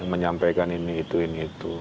menyampaikan ini itu ini itu